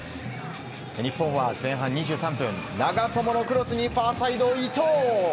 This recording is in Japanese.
日本は前半２３分、長友のクロスにファーサイド、伊東。